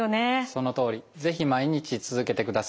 そのとおり。是非毎日続けてください。